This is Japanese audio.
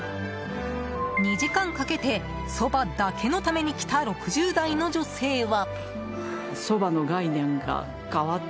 ２時間かけてそばだけのために来た６０代の女性は。